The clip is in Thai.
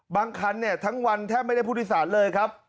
คันเนี่ยทั้งวันแทบไม่ได้ผู้โดยสารเลยครับ